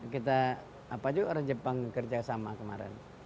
kita apa juga orang jepang kerjasama kemarin